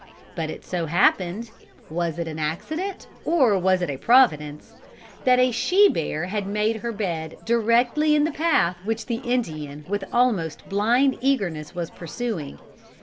But it so happened was it an accident or was it a Providence that a she bear had made her bed directly in the path which the Indian with almost blind eagerness was pursuing.